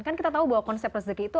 kan kita tahu bahwa konsep rezeki itu